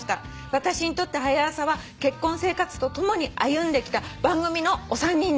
「私にとって『はや朝』は結婚生活とともに歩んできた番組のお三人です」